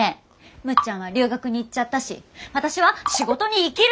むっちゃんは留学に行っちゃったし私は仕事に生きるって決めたの。